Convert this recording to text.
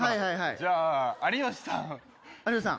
じゃあ有吉さん。